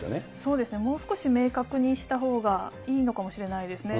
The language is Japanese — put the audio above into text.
もう少し明確にした方がいいのかもしれないですね。